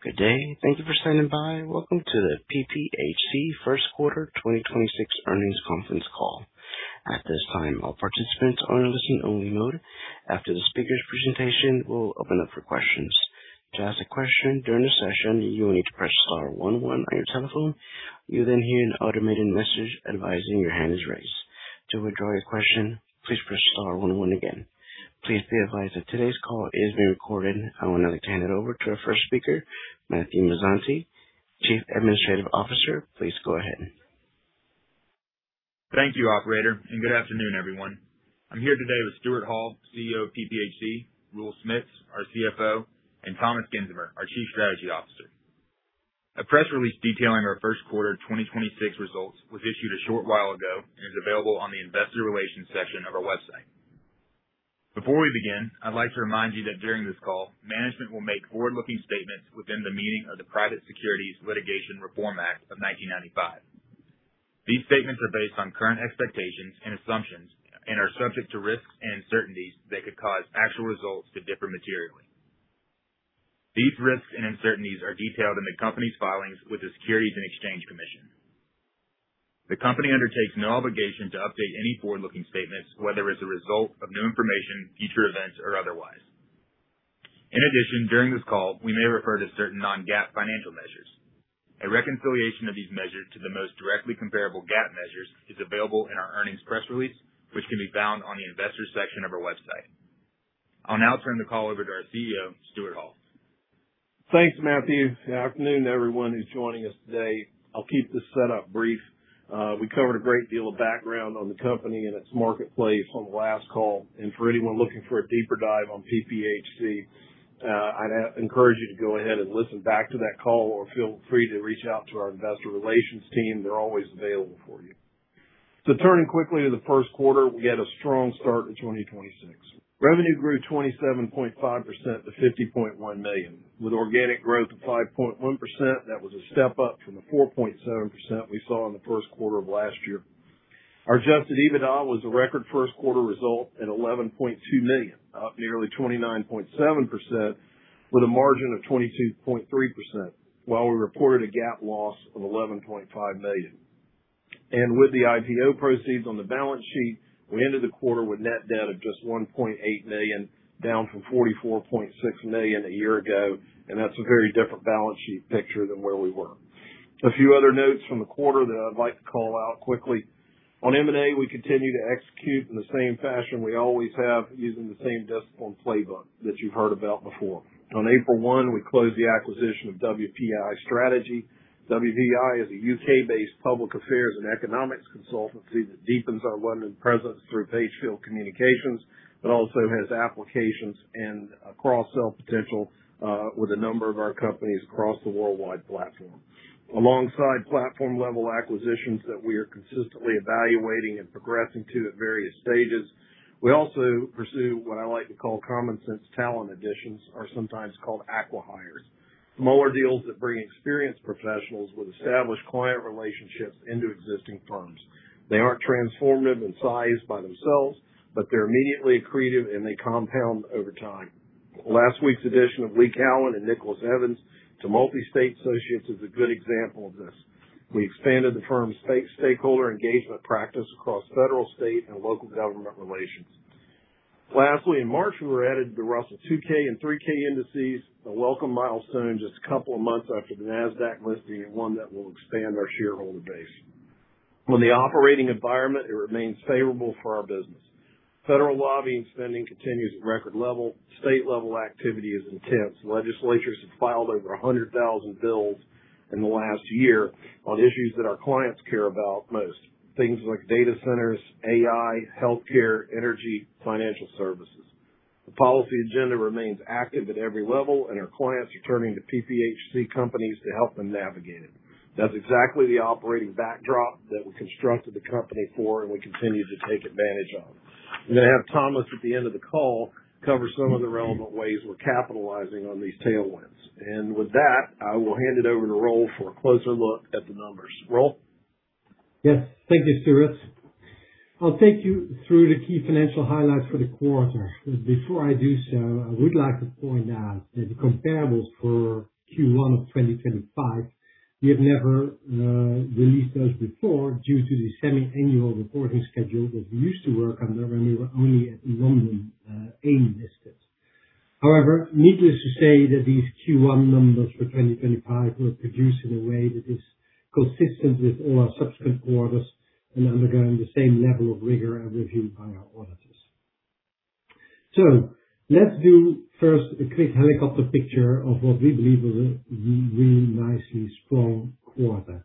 Good day? Thank you for standing by. Welcome to the PPHC First Quarter 2026 Earnings Conference Call. At this time all participants are in listen-only mode. After the speakers presentations we will open up for questions. To ask a question during the session you will need to press star one one on your telephone. You will then hear an automated message advising your hand is raised. To withdraw your question please press star one one again. Please be advised that today's call is being recorded. I would like to hand it over to our first speaker, Matthew Mazzanti, Chief Administrative Officer, please go ahead. Thank you, operator, and good afternoon, everyone. I'm here today with Stewart Hall, Chief Executive Officer of PPHC, Roel Smits, our Chief Financial Officer, and Thomas Gensemer, our Chief Strategy Officer. A press release detailing our first quarter 2026 results was issued a short while ago and is available on the investor relations section of our website. Before we begin, I'd like to remind you that during this call, management will make forward-looking statements within the meaning of the Private Securities Litigation Reform Act of 1995. These statements are based on current expectations and assumptions and are subject to risks and uncertainties that could cause actual results to differ materially. These risks and uncertainties are detailed in the company's filings with the Securities and Exchange Commission. The company undertakes no obligation to update any forward-looking statements, whether as a result of new information, future events, or otherwise. In addition, during this call, we may refer to certain non-GAAP financial measures. A reconciliation of these measures to the most directly comparable GAAP measures is available in our earnings press release, which can be found on the investor section of our website. I'll now turn the call over to our Chief Executive Officer, Stewart Hall. Thanks, Matthew. Good afternoon, everyone who's joining us today? I'll keep this setup brief. We covered a great deal of background on the company and its marketplace on the last call. For anyone looking for a deeper dive on PPHC, I'd encourage you to go ahead and listen back to that call or feel free to reach out to our Investor Relations team. They're always available for you. Turning quickly to the first quarter, we had a strong start to 2026. Revenue grew 27.5% to $50.1 million, with organic growth of 5.1%. That was a step up from the 4.7% we saw in the first quarter of last year. Our Adjusted EBITDA was a record first quarter result at $11.2 million, up nearly 29.7% with a margin of 22.3% while we reported a GAAP loss of $11.5 million. With the IPO proceeds on the balance sheet, we ended the quarter with net debt of just $1.8 million, down from $44.6 million a year ago. That's a very different balance sheet picture than where we were. A few other notes from the quarter that I'd like to call out quickly. On M&A, we continue to execute in the same fashion we always have, using the same discipline playbook that you've heard about before. On April 1, we closed the acquisition of WPI Strategy. WPI is a U.K.-based public affairs and economics consultancy that deepens our London presence through Pagefield Communications, but also has applications and cross-sell potential with a number of our companies across the worldwide platform. Alongside platform-level acquisitions that we are consistently evaluating and progressing to at various stages, we also pursue what I like to call common sense talent additions, or sometimes called acqui-hire. Smaller deals that bring experienced professionals with established client relationships into existing firms. They aren't transformative in size by themselves, but they're immediately accretive, and they compound over time. Last week's addition of Lee Cowen and Nicholas Evans to MultiState Associates is a good example of this. We expanded the firm's stakeholder engagement practice across federal, state, and local government relations. Lastly, in March, we were added to the Russell 2000 and 3000 indices, a welcome milestone just a couple of months after the Nasdaq listing and one that will expand our shareholder base. On the operating environment, it remains favorable for our business. Federal lobbying spending continues at record level. State-level activity is intense. Legislatures have filed over 100,000 bills in the last year on issues that our clients care about most, things like data centers, AI, healthcare, energy, financial services. The policy agenda remains active at every level, and our clients are turning to PPHC companies to help them navigate it. That's exactly the operating backdrop that we constructed the company for and we continue to take advantage of. I'm going to have Thomas at the end of the call cover some of the relevant ways we're capitalizing on these tailwinds. With that, I will hand it over to Roel for a closer look at the numbers. Roel? Yes. Thank you, Stewart. I'll take you through the key financial highlights for the quarter. Before I do so, I would like to point out that the comparables for Q1 of 2025, we had never released those before due to the semi-annual reporting schedule that we used to work under when we were only at the London AIM listing. Needless to say that these Q1 numbers for 2025 were produced in a way that is consistent with all our subsequent quarters and undergoing the same level of rigor and review by our auditors. Let's do first a quick helicopter picture of what we believe was a really nicely strong quarter.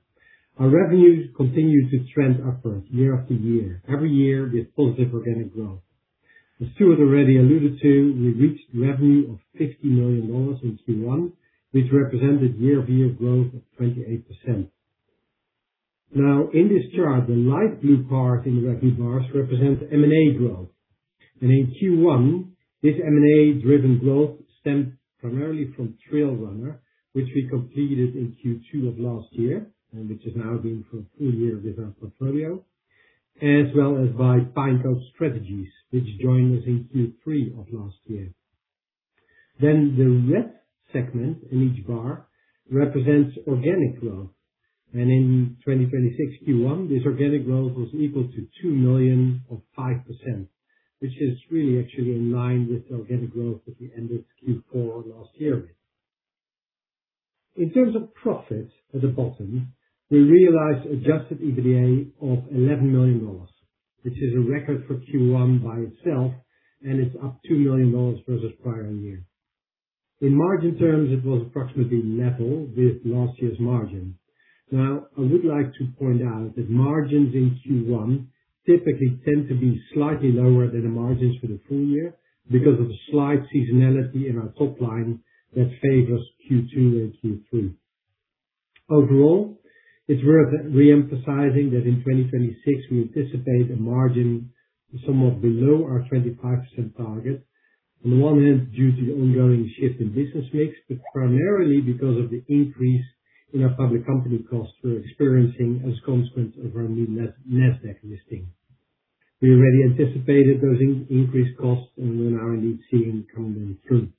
Our revenue continued to trend upward year-after-year, every year with positive organic growth. As Stewart already alluded to, we reached revenue of $50 million in Q1, which represented year-over-year growth of 28%. In this chart, the light blue part in the revenue bars represents M&A growth. In Q1, this M&A-driven growth stemmed primarily from TrailRunner, which we completed in Q2 of last year and which has now been for a full year within our portfolio. As well as by Pine Cove Strategies, which joined us in Q3 of last year. The red segment in each bar represents organic growth. In 2026 Q1, this organic growth was equal to $2 million of 5%, which is really actually in line with the organic growth that we ended Q4 last year with. In terms of profit at the bottom, we realized Adjusted EBITDA of $11 million, which is a record for Q1 by itself, and it's up $2 million versus prior year. In margin terms, it was approximately level with last year's margin. I would like to point out that margins in Q1 typically tend to be slightly lower than the margins for the full year because of the slight seasonality in our top line that favors Q2 and Q3. Overall, it's worth re-emphasizing that in 2026, we anticipate a margin of somewhat below our 25% target. On the one hand, due to the ongoing shift in business mix, but primarily because of the increase in our public company costs we're experiencing as a consequence of our new Nasdaq listing. We already anticipated those increased costs and then are now seeing them come through.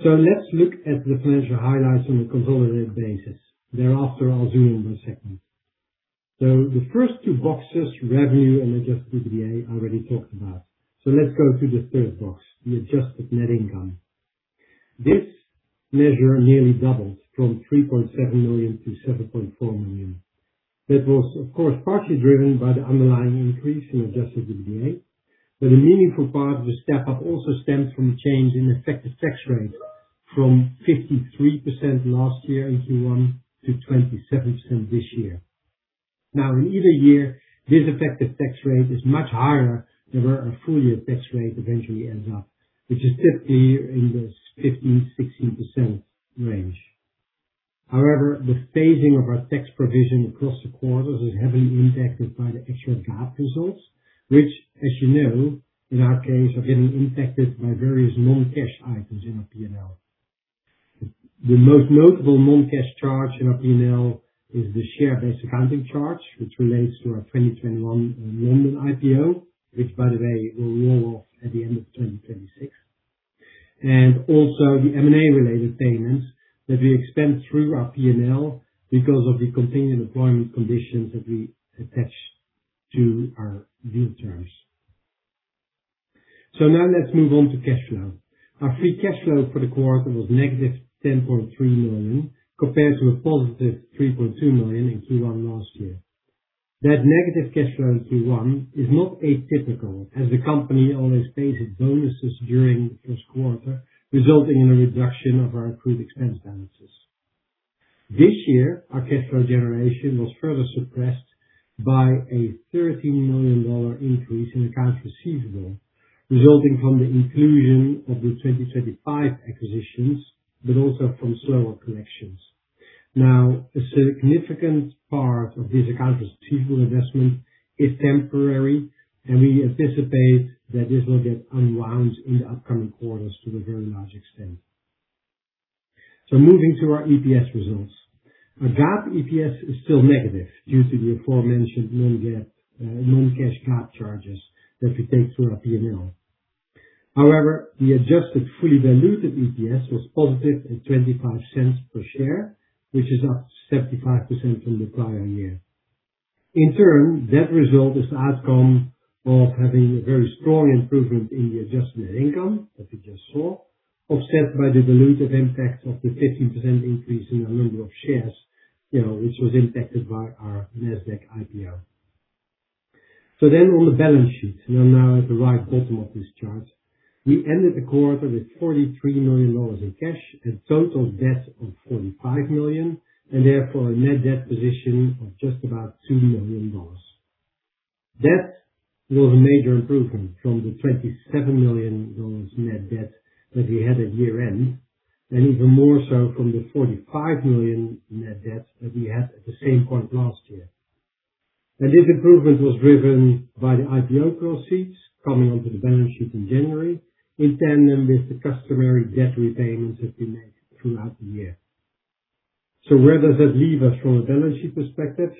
Let's look at the financial highlights on a consolidated basis. Thereafter, I'll zoom in by segment. The first two boxes, revenue and Adjusted EBITDA, I already talked about. Let's go to the third box, the adjusted net income. This measure nearly doubled from $3.7 million to $7.4 million. That was of course, partly driven by the underlying increase in Adjusted EBITDA, but a meaningful part of the step-up also stemmed from a change in effective tax rate from 53% last year in Q1 to 27% this year. In either year, this effective tax rate is much higher than where our full year tax rate eventually ends up, which is typically in the 15%-16% range. However, the phasing of our tax provision across the quarters is heavily impacted by the actual GAAP results, which, as you know, in our case, are getting impacted by various non-cash items in our P&L. The most notable non-cash charge in our P&L is the share-based accounting charge, which relates to our 2021 London IPO, which by the way, will roll off at the end of 2026. Also the M&A related payments that we extend through our P&L because of the continued employment conditions that we attach to our new terms. Now let's move on to cash flow. Our free cash flow for the quarter was $-10.3 million, compared to a $+3.2 million in Q1 last year. That negative cash flow in Q1 is not atypical, as the company always pays its bonuses during the first quarter, resulting in a reduction of our pre-expense balances. This year, our cash flow generation was further suppressed by a $13 million increase in accounts receivable, resulting from the inclusion of the 2025 acquisitions, but also from slower collections. Now, a significant part of these accounts receivable investments is temporary, and we anticipate that this will get unwound in the upcoming quarters to a very large extent. Moving to our EPS results. Our GAAP EPS is still negative due to the aforementioned non-cash GAAP charges that we take through our P&L. However, the adjusted fully diluted EPS was positive at $0.25 per share, which is up 75% from the prior year. In turn, that result is an outcome of having a very strong improvement in the adjusted net income that we just saw, offset by the dilutive impact of the 15% increase in the number of shares, which was impacted by our Nasdaq IPO. On the balance sheet, we are now at the right bottom of this chart. We ended the quarter with $43 million in cash and total debt of $45 million, and therefore a net debt position of just about $2 million. That was a major improvement from the $27 million net debt that we had at year-end, and even more so from the $45 million net debt that we had at the same point last year. This improvement was driven by the IPO proceeds coming onto the balance sheet in January, in tandem with the customary debt repayments that we make throughout the year. Where does that leave us from a balance sheet perspective?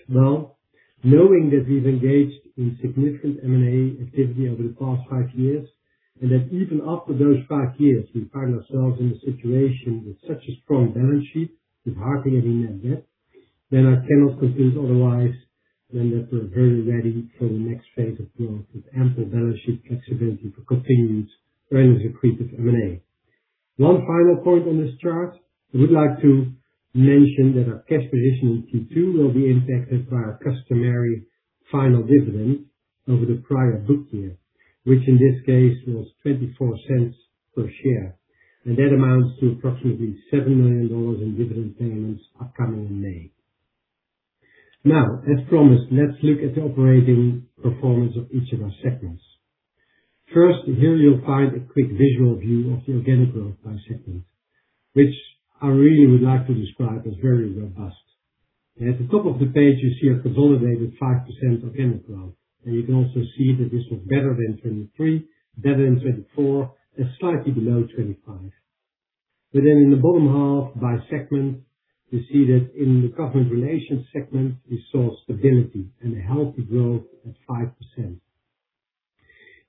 Knowing that we've engaged in significant M&A activity over the past five years, and that even after those five years, we find ourselves in a situation with such a strong balance sheet with hardly any net debt, I cannot conclude otherwise than that we're very ready for the next phase of growth with ample balance sheet flexibility for continued strategic M&A. One final point on this chart, I would like to mention that our cash position in Q2 will be impacted by our customary final dividend over the prior book year, which in this case was $0.24 per share. That amounts to approximately $7 million in dividend payments upcoming in May. As promised, let's look at the operating performance of each of our segments. First, here you'll find a quick visual view of the organic growth by segment, which I really would like to describe as very robust. At the top of the page is your consolidated 5% organic growth. You'd also see that this was better than 2023, better than 2024, and slightly below 2025. In the bottom half by segment, we see that in the government relations segment, we saw stability and healthy growth at 5%.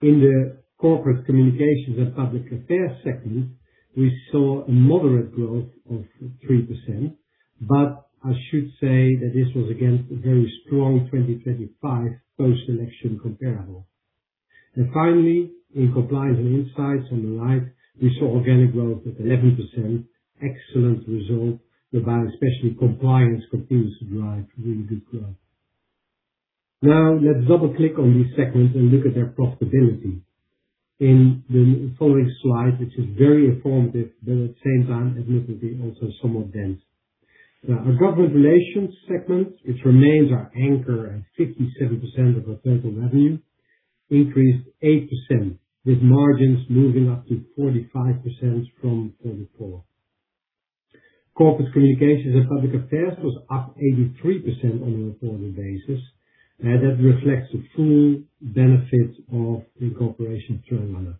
In the Corporate Communications & Public Affairs segment, we saw a moderate growth of 3%, I should say that this was against a very strong 2025 post-election comparable. Finally, in compliance and insights on the right, we saw organic growth at 11%, excellent result, driven especially compliance continues to drive really good growth. Let's double-click on these segments and look at their profitability. In the following slide, which is very informative, but at the same time, admittedly, also somewhat dense. The government relations segment, which remains our anchor at 57% of our total revenue, increased 8%, with margins moving up to 45% from 44%. Corporate Communications & Public Affairs was up 83% on a reported basis. That reflects the full benefits of the incorporation of Seven Letter.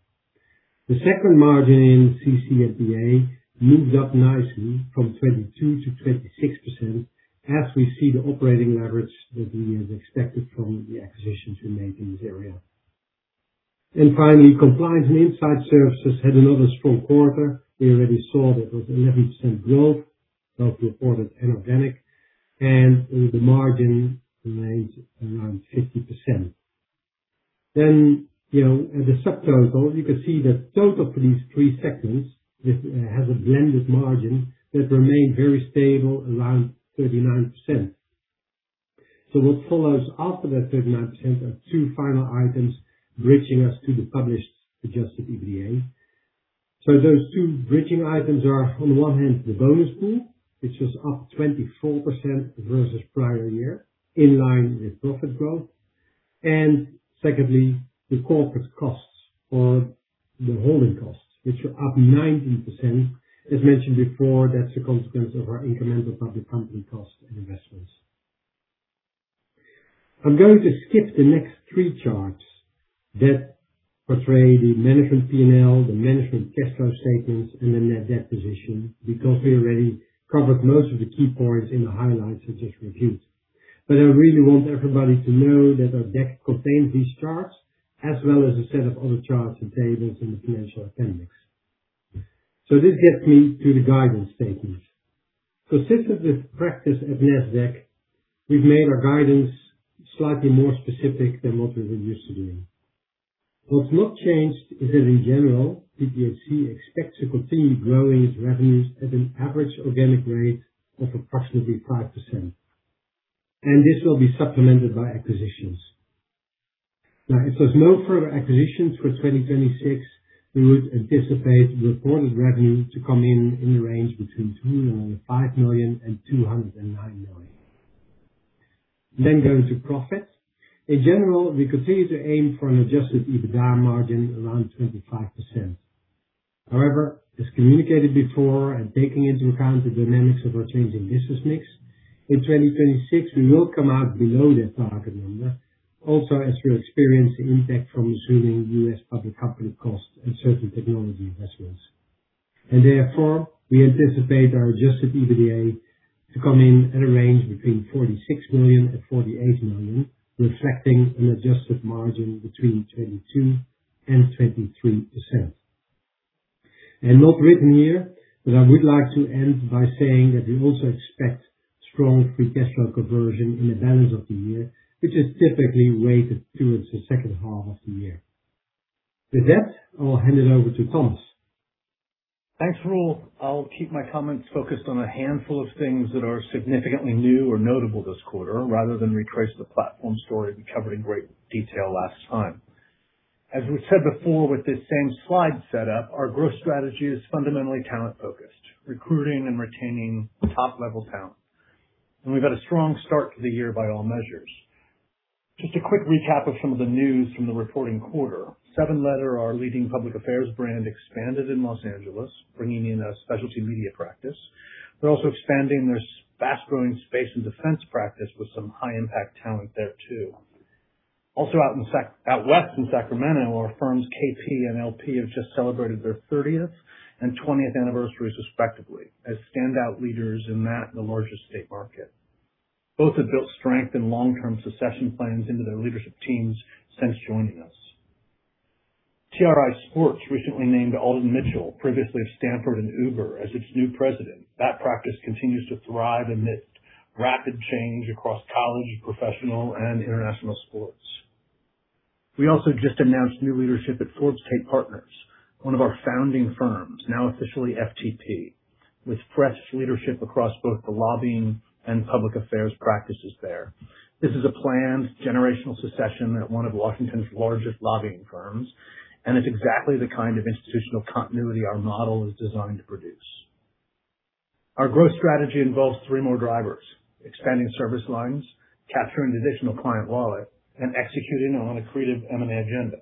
The segment margin in CC&PA moved up nicely from 22% to 26% as we see the operating leverage that we had expected from the acquisitions we made in this area. Finally, Compliance and Insight Services had another strong quarter. We already saw that with 11% growth of reported and organic. The margin remains around 50%. At the subtotal, you can see the total for these three segments, which has a blended margin that remained very stable around 39%. What follows after that 39% are two final items bridging us to the published Adjusted EBITDA. Those two bridging items are, on one hand, the bonus pool, which was up 24% versus prior year, in line with profit growth. Secondly, the corporate costs or the holding costs, which are up 19%. As mentioned before, that's a consequence of our incremental public company cost and investments. I'm going to skip the next three charts that portray the management P&L, the management cash flow statements, and the net debt position, because we already covered most of the key points in the highlights I just reviewed. I really want everybody to know that our deck contains these charts as well as a set of other charts and tables in the financial appendix. This gets me to the guidance statement. Since this practice at the end of deck, we've made our guidance slightly more specific than what we were used to doing. What's not changed is that in general, PPHC expects to continue growing its revenues at an average organic rate of approximately 5%, and this will be supplemented by acquisitions. If there's no further acquisitions for 2026, we would anticipate reported revenue to come in the range between $205 million-$209 million. Going to profit. In general, we continue to aim for an Adjusted EBITDA margin around 25%. However, as communicated before and taking into account the dynamics of our changing business mix, in 2026 we will come out below that target number, also as we experience the impact from assuming U.S. public company costs and certain technology investments. Therefore, we anticipate our Adjusted EBITDA to come in at a range between $46 million and $48 million, reflecting an adjusted margin between 22% and 23%. More written here, but I would like to end by saying that we also expect strong free cash flow conversion in the balance of the year, which is typically weighted towards the second half of the year. With that, I'll hand it over to Thomas. Thanks, Roel. I'll keep my comments focused on a handful of things that are significantly new or notable this quarter, rather than retrace the platform story we covered in great detail last time. As we've said before with this same slide setup, our growth strategy is fundamentally talent-focused, recruiting and retaining top-level talent. We got a strong start to the year by all measures. Just a quick recap of some of the news from the reporting quarter. Seven Letter, our leading public affairs brand, expanded in Los Angeles, bringing in a specialty media practice. We're also expanding this fast-growing space and defense practice with some high-impact talent there too. Also out west in Sacramento, our firms KP and LP have just celebrated their 30th and 20th anniversaries respectively, as standout leaders in that and the larger state market. Both have built strength and long-term succession plans into their leadership teams since joining us. TrailRunner Sports recently named Alden Mitchell, previously Stanford and Uber, as its new President. That practice continues to thrive amid rapid change across college, professional, and international sports. We also just announced new leadership at Forbes Tate Partners, one of our founding firms, now officially FTP, with fresh leadership across both the lobbying and public affairs practices there. This is a planned generational succession at one of Washington's largest lobbying firms, and it's exactly the kind of institutional continuity our model is designed to produce. Our growth strategy involves three more drivers: expanding service lines, capturing additional client wallet, and executing on a creative M&A agenda.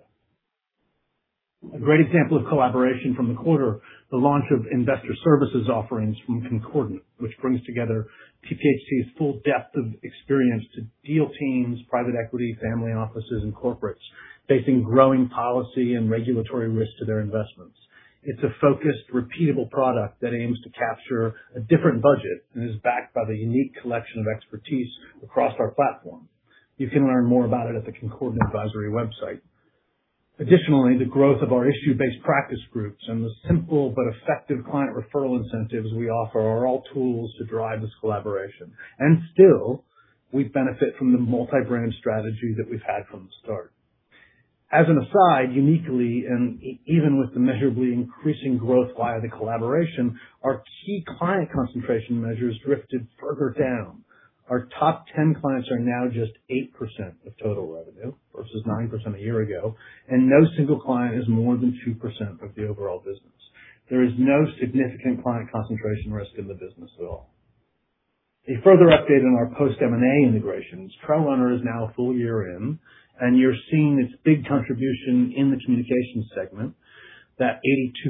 A great example of collaboration from the quarter, the launch of investor services offerings from Concordant, which brings together PPHC's full depth of experience to deal teams, private equity, family offices, and corporates facing growing policy and regulatory risk to their investments. It's a focused, repeatable product that aims to capture a different budget and is backed by the unique collection of expertise across our platform. You can learn more about it at the Concordant Advisory website. The growth of our issue-based practice groups and the simple but effective client referral incentives we offer are all tools to drive this collaboration. Still, we benefit from the multi-brand strategy that we've had from the start. As an aside, uniquely, and even with the measurably increasing growth via the collaboration, our key client concentration measures drifted further down. Our top 10 clients are now just 8% of total revenue versus 9% a year ago, and no single client is more than 2% of the overall business. There is no significant client concentration risk in the business at all. A further update on our post M&A integrations. TrailRunner International is now full year in, and you're seeing its big contribution in the communication segment, that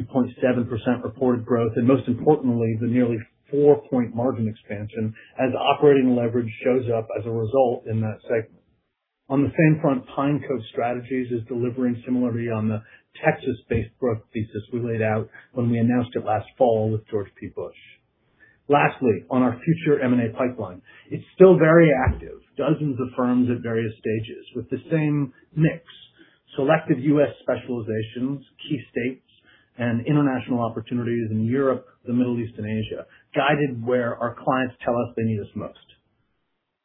82.7% reported growth, and most importantly, the nearly four-point margin expansion as operating leverage shows up as a result in that segment. On the same front, Pine Cove Strategies is delivering similarly on the Texas-based growth thesis we laid out when we announced it last fall with George P. Bush. Lastly, on our future M&A pipeline, it's still very active. Dozens of firms at various stages with the same mix, selective U.S. specializations, key states, and international opportunities in Europe, the Middle East, and Asia, guided where our clients tell us they need us most.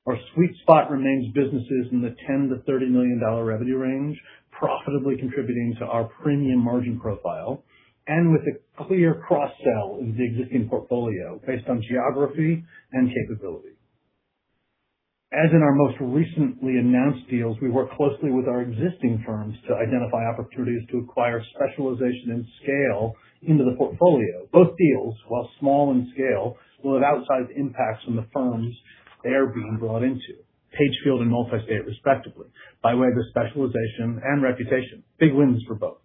Our sweet spot remains businesses in the $10 million-$30 million revenue range, profitably contributing to our premium margin profile and with a clear cross-sell into the existing portfolio based on geography and capability. As in our most recently announced deals, we work closely with our existing firms to identify opportunities to acquire specialization and scale into the portfolio. Both deals, while small in scale, will have outsized impacts on the firms they are being brought into, Pagefield and MultiState respectively, by way of the specialization and reputation. Big wins for both.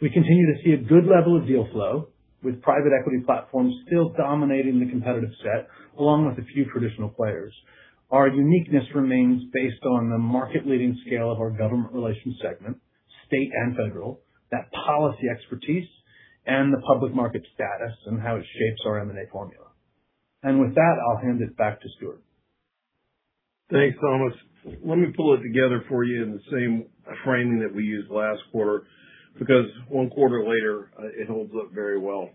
We continue to see a good level of deal flow, with private equity platforms still dominating the competitive set along with a few traditional players. Our uniqueness remains based on the market-leading scale of our government relations segment, state and federal, that policy expertise, and the public market status and how it shapes our M&A formula. With that, I'll hand it back to Stewart. Thanks, Thomas. Let me pull it together for you in the same framing that we used last quarter, because one quarter later, it holds up very well.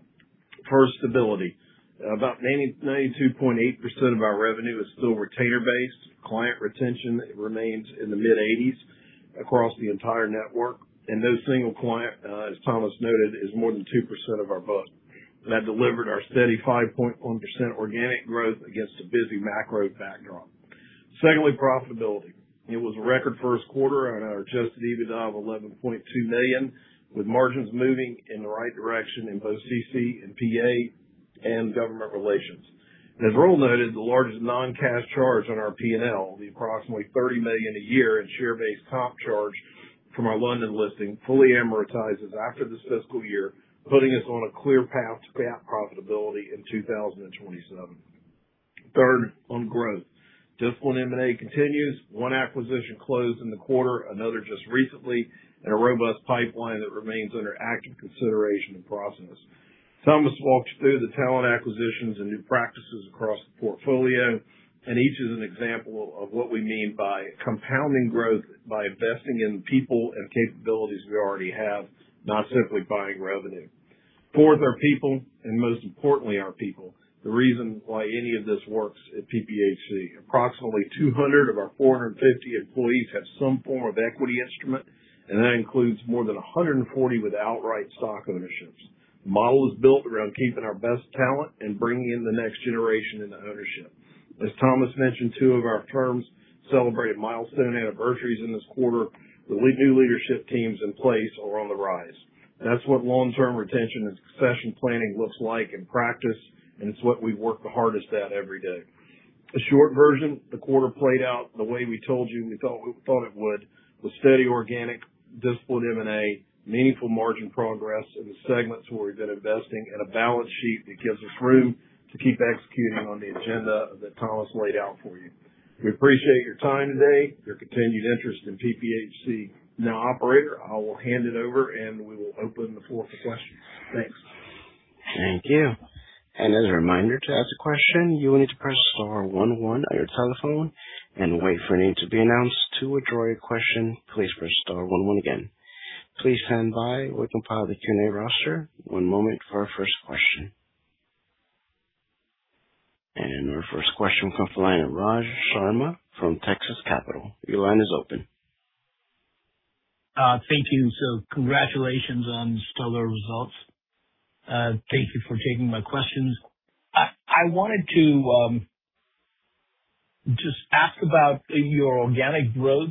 First, stability. About 92.8% of our revenue is still retainer-based. Client retention remains in the mid-80s across the entire network, and no single client, as Thomas noted, is more than 2% of our books. That delivered our steady 5.1% organic growth against a busy macro backdrop. Secondly, profitability. It was a record first quarter on our Adjusted EBITDA of $11.2 million, with margins moving in the right direction in both CC&PA and government relations. As Roel noted, the largest non-cash charge on our P&L, the approximately $30 million a year in share-based comp charge from our London listing, fully amortizes after this fiscal year, putting us on a clear path to PAT profitability in 2027. Third, on growth. Disciplined M&A continues. One acquisition closed in the quarter, another just recently, and a robust pipeline that remains under active consideration and process. Thomas walked you through the talent acquisitions and new practices across the portfolio, and each is an example of what we mean by compounding growth by investing in the people and capabilities we already have, not simply buying revenue. Fourth, our people, and most importantly, our people. The reason why any of this works at PPHC. Approximately 200 of our 450 employees have some form of equity instrument, and that includes more than 140 with outright stock ownership. The model is built around keeping our best talent and bringing in the next generation into ownership. As Thomas mentioned, two of our firms celebrate milestone anniversaries in this quarter, with new leadership teams in place or on the rise. That's what long-term retention and succession planning looks like in practice, and it's what we work the hardest at every day. The short version, the quarter played out the way we told you we thought it would, with steady organic, disciplined M&A, meaningful margin progress in the segments where we've been investing, and a balance sheet that gives us room to keep executing on the agenda that Thomas laid out for you. We appreciate your time today, your continued interest in PPHC. Operator, I will hand it over, and we will open the floor for questions. Thanks. Thank you. As a reminder, to ask a question, you will need to press star one one on your telephone and wait for your name to be announced. To withdraw your question, please press star one one again. Please stand by. We're compiling the Q&A roster. One moment for our first question. Our first question comes from the line of Raj Sharma from Texas Capital, your line is open. Thank you. Congratulations on the stellar results. Thank you for taking my questions. I wanted to just ask about your organic growth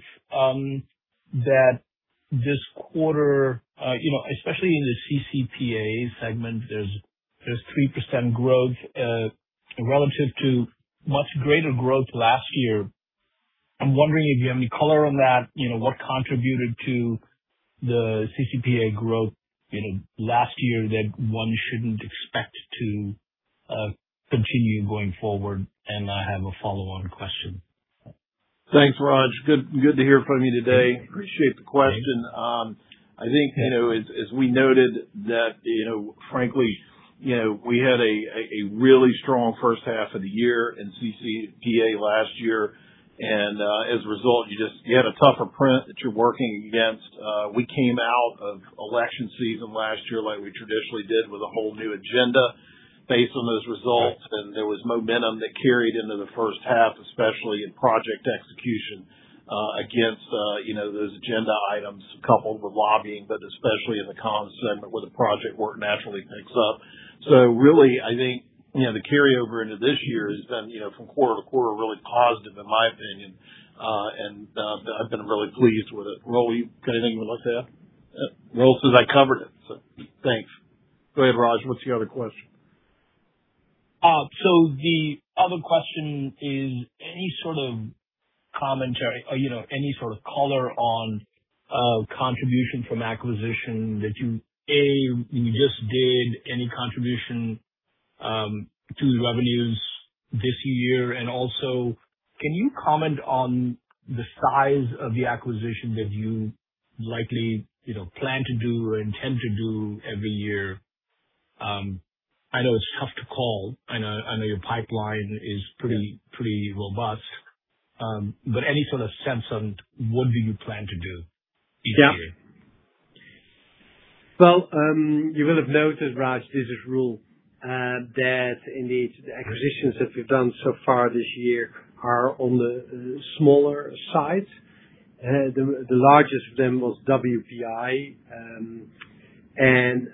this quarter, especially in the CC&PA segment, there is 3% growth relative to much greater growth last year. I am wondering if you have any color on that, what contributed to the CC&PA growth last year that one shouldn't expect to continue going forward? I have a follow-on question. Thanks, Raj. Good to hear from you today. Appreciate the question. I think as we noted that frankly, we had a really strong first half of the year in CC&PA last year, and as a result, you just have a tougher print that you're working against. We came out of election season last year like we traditionally did, with a whole new agenda based on those results, and there was momentum that carried into the first half, especially in project execution against those agenda items, coupled with lobbying, but especially in the comms segment where the project work naturally picks up. Really, I think, the carryover into this year has been from quarter to quarter, really positive in my opinion, and I've been really pleased with it. Roel, you got anything you'd like to add? Roel says I covered it. Thanks. Go ahead, Raj, what's your other question? The other question is any sort of commentary, any sort of color on contribution from acquisition that you just did, any contribution to the revenues this year? Also, can you comment on the size of the acquisition that you likely plan to do or intend to do every year? I know it's tough to call. I know your pipeline is pretty robust. Any sort of sense on what do you plan to do this year? Yeah. Well, you will have noted, Raj, this is Roel, that indeed the acquisitions that we've done so far this year are on the smaller side. The largest of them was WPI, and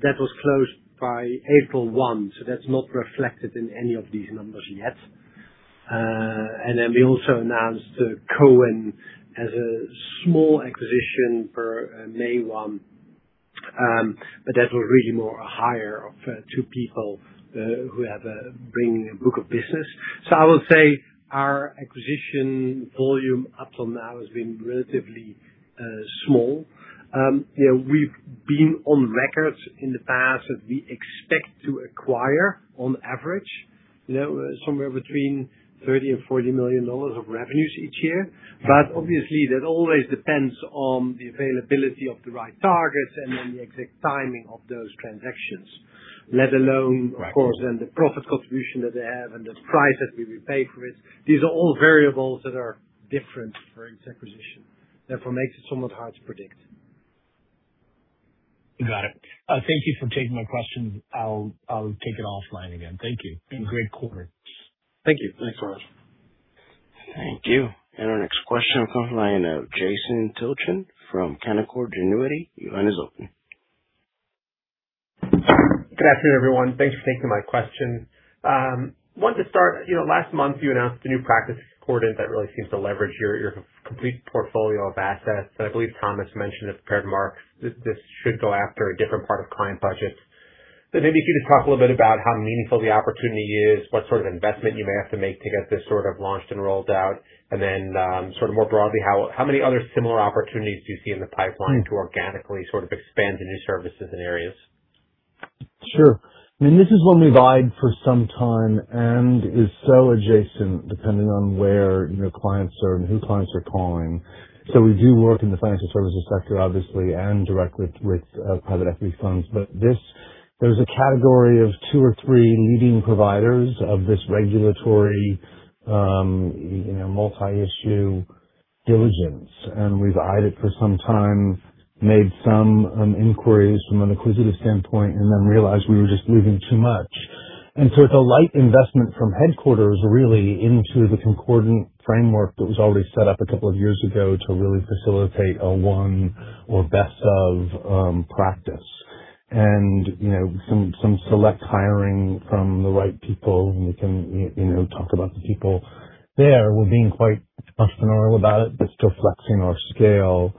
that was closed by April 1, so that's not reflected in any of these numbers yet. Then we also announced Cowen as a small acquisition for May 1, but that was really more a hire of two people who have a bringing a book of business. I would say our acquisition volume up till now has been relatively small. We've been on records in the past that we expect to acquire, on average, somewhere between $30 million and $40 million of revenues each year. Obviously, that always depends on the availability of the right targets and then the exact timing of those transactions, let alone, of course, then the profit contribution that they have and the price that we pay for it. These are all variables that are different for each acquisition, therefore makes it somewhat hard to predict. Got it. Thank you for taking my questions. I'll take it offline again. Thank you. Great quarter. Thank you. Thanks, Raj. Thank you. Our next question will come from the line of Jason Tilton from Canaccord Genuity, your line is open. Good afternoon everyone? Thanks for taking my question. Wanted to start, last month you announced a new practice Concordant that really seems to leverage your complete portfolio of assets. I believe Thomas mentioned this in trademarks. This should go after a different part of client budgets. Maybe can you talk a little bit about how meaningful the opportunity is, what sort of investment you may have to make to get this sort of launched and rolled out, and then sort of more broadly, how many other similar opportunities do you see in the pipeline to organically sort of expand the new services and areas? Sure. I mean, this is one we've eyed for some time is so adjacent depending on where your clients are and who clients are calling. We do work in the financial services sector, obviously, and directly with private equity funds. There's a category of two or three leading providers of this regulatory multi-issue diligence, we've eyed it for some time, made some inquiries from an inquisitive standpoint, realized we were just losing too much. It's a light investment from headquarters, really, into the Concordant framework that was already set up a couple of years ago to really facilitate a one or best of practice. Some select hiring from the right people, we can talk about the people there. We're being quite entrepreneurial about it, still flexing our scale,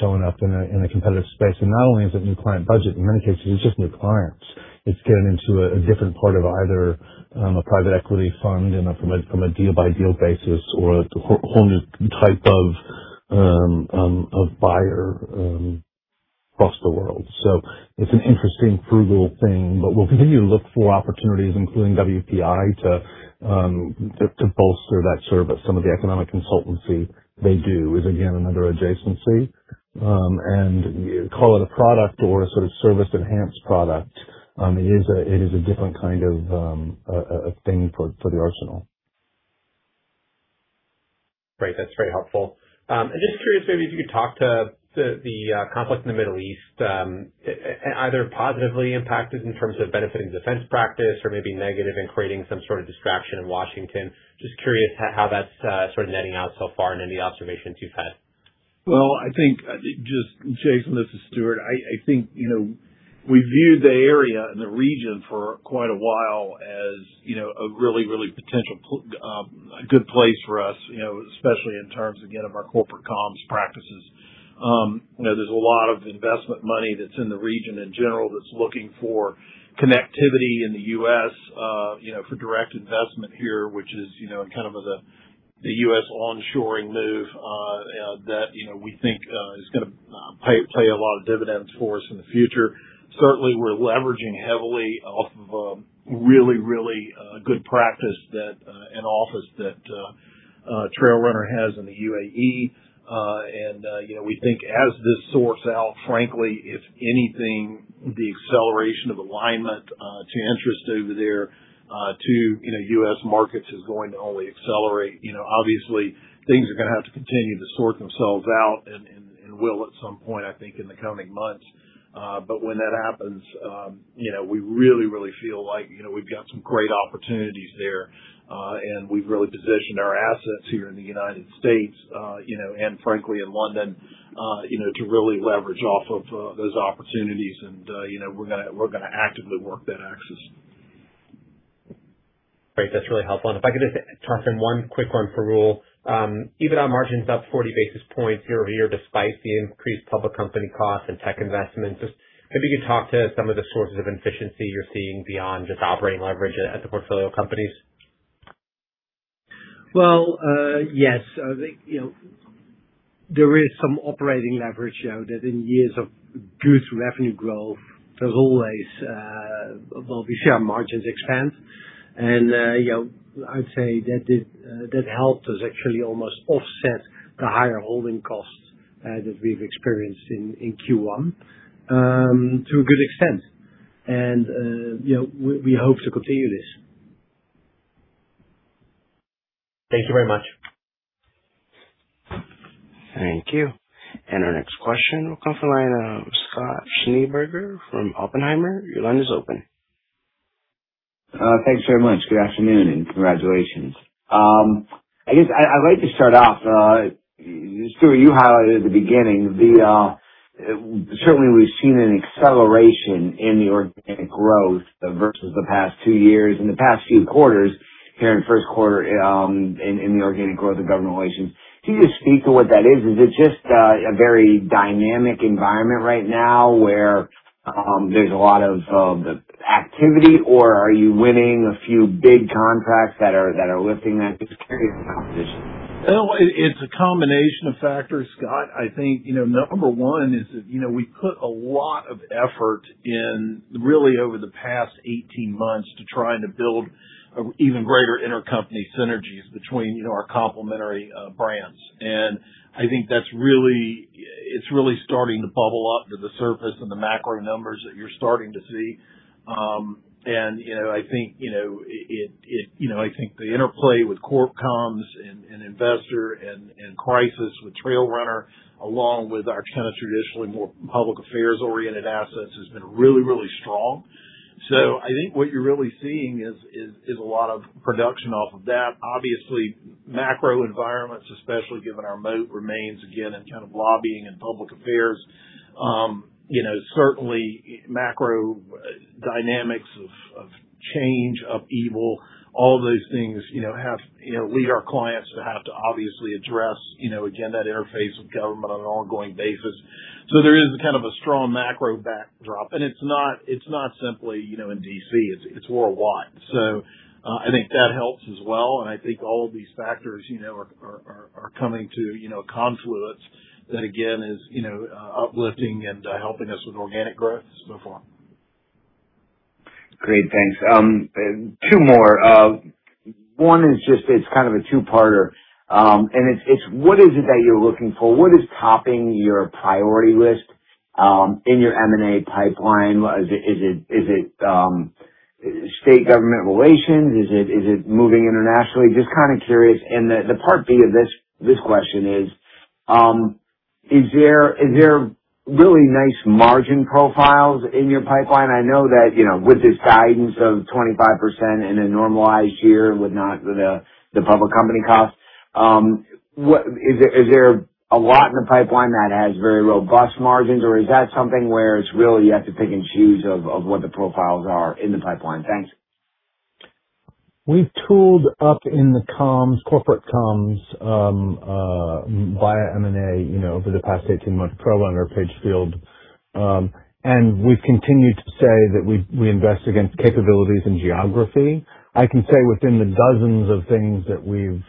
showing up in a competitive space. Not only is it new client budget, in many cases, it's just new clients. It's getting into a different part of either a private equity fund from a deal-by-deal basis or a whole new type of buyer across the world. It's an interesting frugal thing. Look, we look for opportunities, including WPI, to bolster that service. Some of the economic consultancy they do is again under adjacency, call it a product or a sort of service-enhanced product. It is a different kind of a thing for the arsenal. Great. That's very helpful. Just curious maybe if you could talk to the conflict in the Middle East, either positively impacted in terms of benefiting defense practice or maybe negative in creating some sort of distraction in Washington. Just curious how that's sort of netting out so far and any observations you've had? Well, I think, Jason, this is Stewart. I think, we viewed the area and the region for quite a while as a really potential, a good place for us, especially in terms, again, of our Corporate Comms practices. There's a lot of investment money that's in the region in general that's looking for connectivity in the U.S., for direct investment here, which is kind of the U.S. onshoring move, that we think is going to pay a lot of dividends for us in the future. Certainly, we're leveraging heavily off of a really, really good practice that an office that TrailRunner International has in the U.A.E. We think as this sorts out, frankly, if anything, the acceleration of alignment to interest over there to U.S. markets is going to only accelerate. Obviously, things are going to have to continue to sort themselves out and will at some point, I think, in the coming months. When that happens we really, really feel like we've got some great opportunities there, and we've really positioned our assets here in the U.S., and frankly, in London to really leverage off of those opportunities, and we're going to actively work that axis. Great. That's really helpful. If I could just toss in one quick one for Roel. EBITDA margin's up 40 basis points year-over-year, despite the increased public company cost and tech investments. Just if you could talk to some of the sources of efficiency you're seeing beyond just operating leverage at the portfolio companies. Well, yes. There is some operating leverage that in years of good revenue growth, there's always, well, we share margins expand. I'd say that helped us actually almost offset the higher holding costs that we've experienced in Q1 to a good extent. We hope to continue this. Thank you very much. Thank you. Our next question will come from the line of Scott Schneeberger from Oppenheimer, your line is open. Thanks very much. Good afternoon, and congratulations. I'd like to start off, Stewart, you highlighted at the beginning, certainly we've seen an acceleration in the organic growth versus the past two years and the past few quarters here in the first quarter in the organic growth of Government Relations. Can you just speak to what that is? Is it just a very dynamic environment right now where there's a lot of activity, or are you winning a few big contracts that are lifting that versus previous competitions? Well, it's a combination of factors, Scott. I think number one is that we put a lot of effort in really over the past 18 months to try to build even greater intercompany synergies between our complementary brands. I think it's really starting to bubble up to the surface in the macro numbers that you're starting to see. I think the interplay with CorpComms and investor and crisis with TrailRunner International, along with our traditionally more public affairs-oriented assets has been really, really strong. I think what you're really seeing is a lot of production off of that. Obviously, macro environments, especially given our moat, remains, again, in kind of lobbying and public affairs. Certainly, macro dynamics of change, of evil, all those things lead our clients to have to obviously address, again, that interface with government on an ongoing basis. There is a strong macro backdrop, and it's not simply in D.C., it's worldwide. I think that helps as well, and I think all of these factors are coming to confluence that again is uplifting and helping us with organic growth and so forth. Great. Thanks. Two more. One is just it's kind of a two-parter. What is it that you're looking for? What is topping your priority list in your M&A pipeline? Is it state government relations? Is it moving internationally? Just kind of curious. The part B of this question is there really nice margin profiles in your pipeline? I know that with this guidance of 25% in a normalized year with the public company costs, is there a lot in the pipeline that has very robust margins, or is that something where it's really you have to pick and choose of what the profiles are in the pipeline? Thanks. We tooled up in the comms, Corporate Comms via M&A over the past 18 months, TrailRunner, Pagefield, and we continue to say that we invest against capabilities and geography. I can say within the dozens of things that we've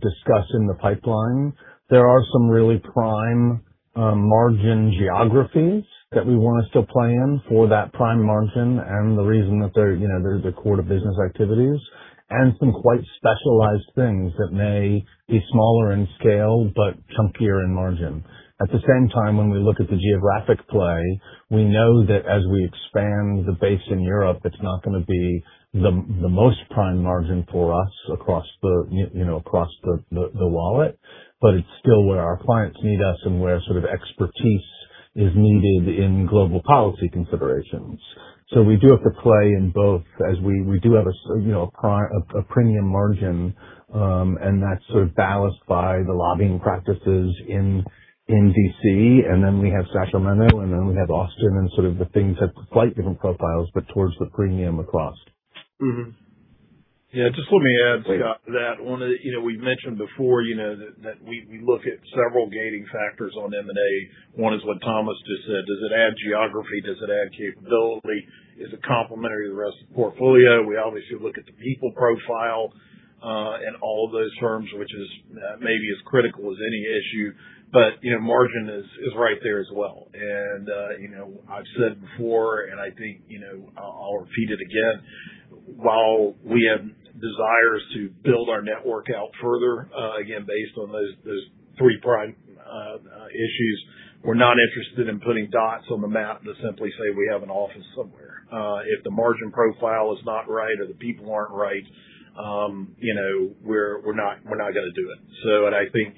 discussed in the pipeline, there are some really prime margin geographies that we want to still play in for that prime margin. The reason that they're the core to business activities and some quite specialized things that may be smaller in scale but chunkier in margin. At the same time, when we look at the geographic play, we know that as we expand the base in Europe, it's not going to be the most prime margin for us across the wallet. It's still where our clients need us and where sort of expertise is needed in global policy considerations. We do have to play in both as we do have a premium margin, and that's sort of balanced by the lobbying practices in D.C., and then we have Strasbourg, London, and then we have Austin and sort of the things have slight different profiles but towards the premium across. Just let me add, Scott, that we mentioned before that we look at several gating factors on M&A. One is what Thomas just said. Does it add geography? Does it add capability? Is it complementary to the rest of the portfolio? We obviously look at the people profile. All those terms, which is maybe as critical as any issue, but margin is right there as well. I've said before, and I think I'll repeat it again, while we have desires to build our network out further, again, based on those three prime issues, we're not interested in putting dots on the map to simply say we have an office somewhere. If the margin profile is not right or the people aren't right, we're not going to do it. I think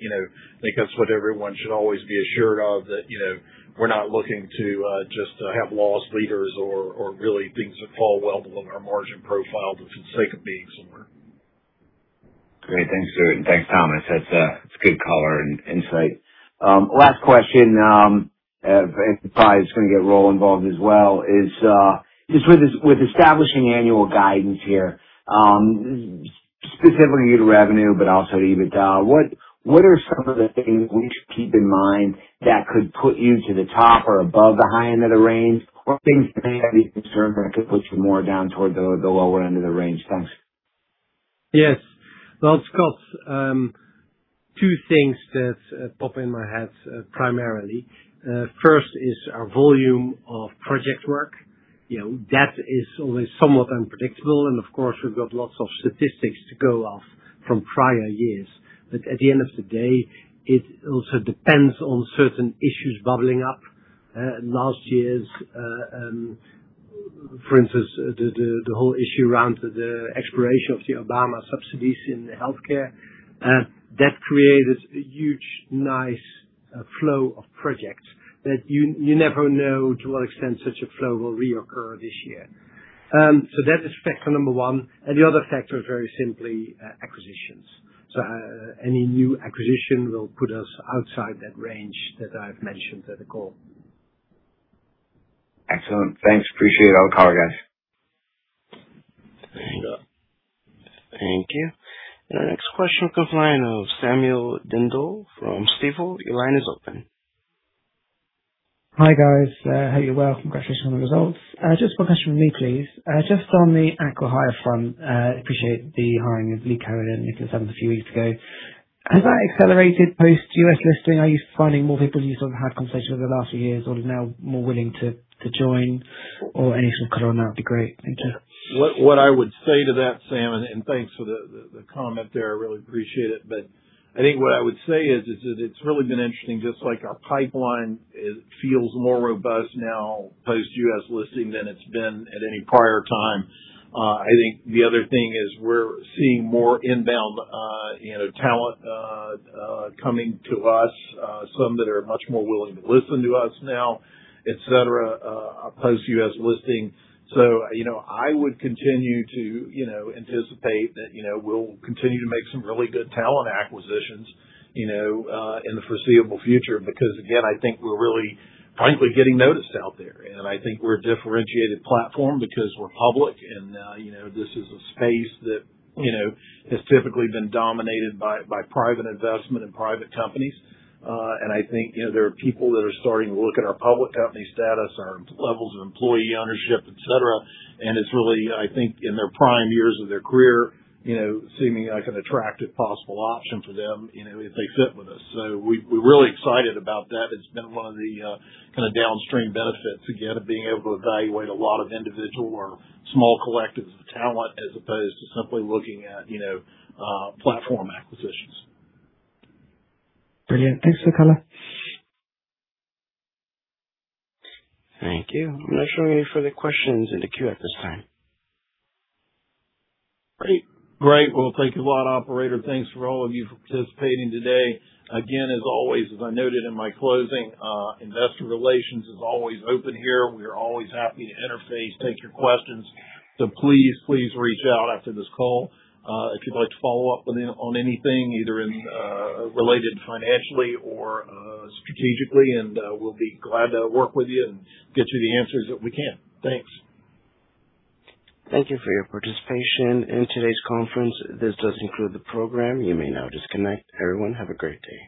that's what everyone should always be assured of, that we're not looking to just have loss leaders or really things that fall well below our margin profile just for the sake of being somewhere. Great. Thanks, Thomas. That's good color and insight. Last question, probably it's going to get Roel involved as well, is with establishing annual guidance here, specifically to revenue, but also EBITDA, what are some of the things we should keep in mind that could put you to the top or above the high end of the range, or things that you might be concerned that could put you more down toward the lower end of the range? Thanks. Yes. Well, Scott, two things that pop in my head primarily. First is our volume of project work. That is always somewhat unpredictable, and of course, we've got lots of statistics to go off from prior years. At the end of the day, it also depends on certain issues bubbling up. Last year's, for instance, the whole issue around the expiration of the Obamacare subsidies in the healthcare, that created a huge, nice flow of projects that you never know to what extent such a flow will reoccur this year. That is factor number one. The other factor is very simply acquisitions. Any new acquisition will put us outside that range that I've mentioned for the call. Excellent. Thanks. Appreciate it. I'll call you guys. Sure. Thank you. The next question comes the line of Samuel Dindol from Stifel, your line is open. Hi, guys. How are you? Welcome. Congratulations on the results. Just one question from me, please. Just on the acquire front, appreciate the hiring of Lee Cowen and Nicholas Evans some few weeks ago. Has that accelerated post-U.S. listing? Are you finding more people you sort of had conversations with after years are now more willing to join? Any insight on that would be great. Thanks. What I would say to that, Sam, and thanks for the comment there. I really appreciate it. I think what I would say is it's really been interesting, just like our pipeline, it feels more robust now post-U.S. listing than it's been at any prior time. I think the other thing is we're seeing more inbound talent coming to us, some that are much more willing to listen to us now, et cetera, post-U.S. listing. I would continue to anticipate that we'll continue to make some really good talent acquisitions in the foreseeable future, because again, I think we're really frankly getting noticed out there. I think we're a differentiated platform because we're public, and this is a space that has typically been dominated by private investment and private companies. I think there are people that are starting to look at our public company status, our levels of employee ownership, et cetera, and it's really, I think, in their prime years of their career, seeming like an attractive possible option for them if they fit with us. We're really excited about that. It's been one of the downstream benefits of being able to evaluate a lot of individual or small collectives of talent as opposed to simply looking at platform acquisitions. Brilliant. Thanks for coming. Thank you. I'm not showing any further questions in the queue at this time. Great. Well, thank you a lot, operator. Thanks for all of you for participating today. Again, as always, as I noted in my closing, Investor Relations is always open here. We are always happy to interface, take your questions. Please reach out after this call. If you'd like to follow up on anything, either related financially or strategically, and we'll be glad to work with you and get you the answers that we can. Thanks. Thank you for your participation in today's conference. This does conclude the program, you may now disconnect. Everyone, have a great day.